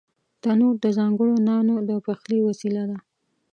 تنور د ځانگړو نانو د پخلي وسیله ده